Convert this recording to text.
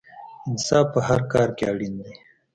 انصاف په هر کار کې اړین دی.